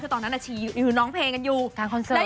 คือตอนนั้นก็ชีน้องเพลงกันอยู่ซ้ำคอนเซิร์สเลย